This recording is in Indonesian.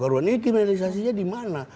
ini kriminalisasinya di mana